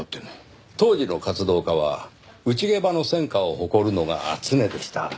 当時の活動家は内ゲバの戦果を誇るのが常でした。